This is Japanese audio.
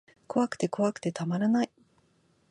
怖くて怖くてたまらない